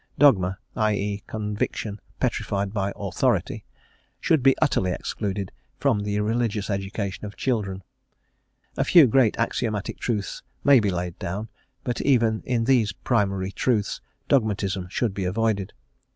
Dogma, i e., conviction petrified by authority, should be utterly excluded from the religious education of children; a few great axiomatic truths may be laid down, but even in these primary truths dogmatism should be avoided.